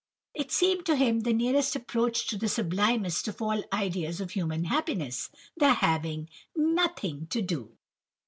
It seemed to him the nearest approach to the sublimest of all ideas of human happiness—the having nothing to do.